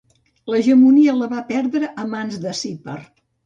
L'hegemonia la va perdre a mans de Sippar.